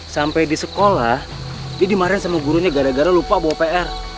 sampai di sekolah dia dimarahin sama gurunya gara gara lupa bawa pr